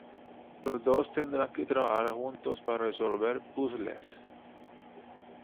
Los dos tendrán que trabajar juntos para resolver puzzles.